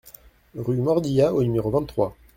Rue Mordillat au numéro vingt-trois